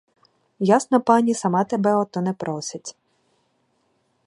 Ясна пані сама тебе о то не просить.